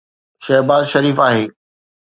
شهباز شريف آهي.